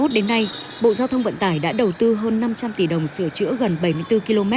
từ năm hai nghìn hai mươi một đến nay bộ giao thông vận tải đã đầu tư hơn năm trăm linh tỷ đồng sửa chữa gần bảy mươi bốn km